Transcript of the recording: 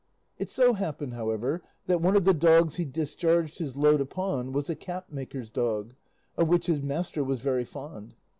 It so happened, however, that one of the dogs he discharged his load upon was a cap maker's dog, of which his master was very fond.